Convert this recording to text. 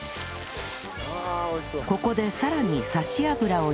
ここでさらにさし油を入れ